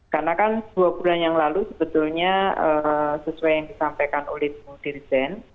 karena kan dua bulan yang lalu sebetulnya sesuai yang disampaikan oleh dirjen